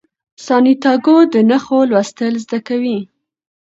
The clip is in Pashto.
سانتیاګو د نښو لوستل زده کوي.